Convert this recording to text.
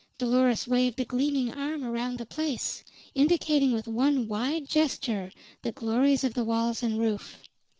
Dolores waved a gleaming arm around the place, indicating with one wide gesture the glories of the walls and roof.